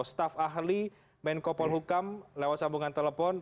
staf ahli menko polhukam lewat sambungan telepon